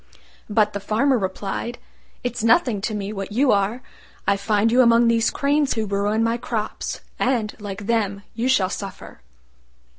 But the Farmer replied, "It's nothing to me what you are: I find you among these cranes, who ruin my crops, and, like them, you shall suffer."